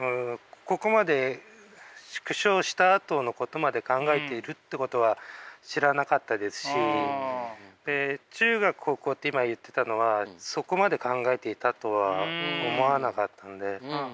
ここまで縮小したあとのことまで考えているってことは知らなかったですしで中学高校って今言ってたのはそこまで考えていたとは思わなかったのでそうですか。